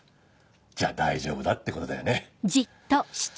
じゃ大丈夫だってことだよね？